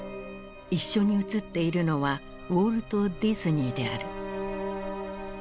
一緒に写っているのはウォルト・ディズニーである。